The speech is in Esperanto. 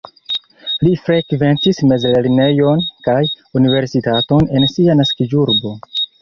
Li frekventis mezlernejon kaj universitaton en sia naskiĝurbo.